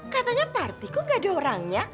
katanya partiku gak ada orangnya